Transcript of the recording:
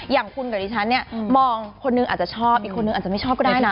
อย่างคุณกับดิฉันเนี่ยมองคนนึงอาจจะชอบอีกคนนึงอาจจะไม่ชอบก็ได้นะ